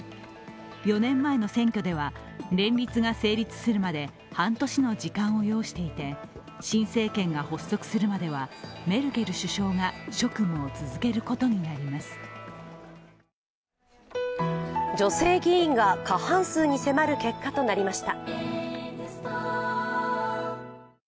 ４年前の選挙では連立が成立するまで半年の時間を要していて、新政権が発足するまでは北欧・アイスランドの議会選は女性議員が過半数に迫る結果となりました。